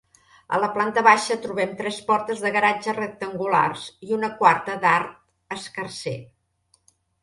A la planta baixa trobem tres portes de garatge rectangulars i una quarta d'arc escarser.